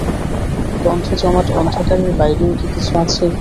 গন্ধ-জমাট অন্ধকার-এর বাইরেও কি কিছু আছে?